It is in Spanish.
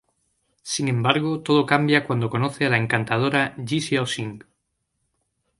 Sin embargo todo cambia cuando conoce a la encantadora Ji Xiao Xing.